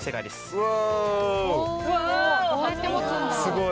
うわ。